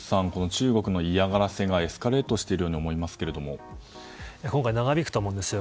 中国の嫌がらせがエスカレートしているように今回、長引くと思うんですよ。